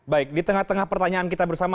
baik di tengah tengah pertanyaan kita bersama